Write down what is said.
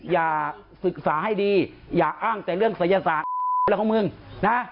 อย่าศึกษาให้ดีอย่าอ้างแต่เรื่องศัยศาสตร์เรื่องของมึงนะ